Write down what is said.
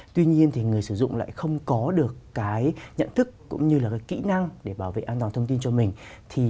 tuy nhiên thì người sử dụng lại không có được cái nhận thức cũng như là cái kỹ năng để bảo vệ an toàn thông tin cho mình